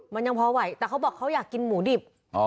มันยังพอไหวแต่เขาบอกเขาอยากกินหมูดิบ